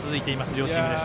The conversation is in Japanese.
両チームです。